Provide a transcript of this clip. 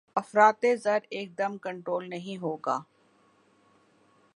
افراط زر ایکدم کنٹرول نہیں ہوگا۔